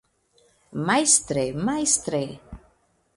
Majstre, majstre!